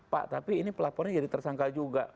pak tapi ini pelapornya jadi tersangka juga